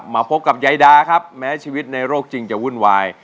มาพบกับยายดาครับแม้ชีวิตในโรคจริงจะวุ่นวาย